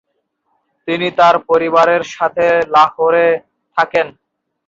তিনি তার পরিবারের সাথে লাহোরে থাকেন।